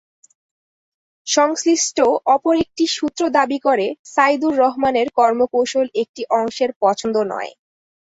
সংশ্লিষ্ট অপর একটি সূত্র দাবি করে, সাইদুর রহমানের কর্মকৌশল একটি অংশের পছন্দ নয়।